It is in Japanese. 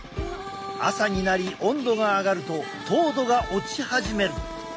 朝になり温度が上がると糖度が落ち始める。